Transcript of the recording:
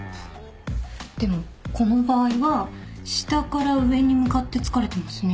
でもこの場合は下から上に向かって突かれてますね。